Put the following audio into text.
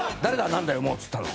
「なんだよもう」っつったの。